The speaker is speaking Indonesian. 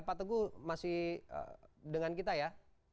pak teguh masih dengan kita ya